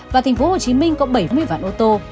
và tp hcm có bảy mươi vạn ô tô